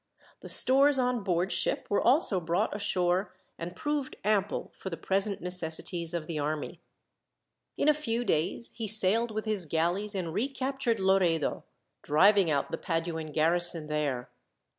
The stores on board ship were also brought ashore, and proved ample for the present necessities of the army. In a few days, he sailed with his galleys and recaptured Loredo, driving out the Paduan garrison there.